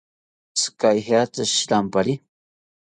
¿Tzika ejeki shirampari?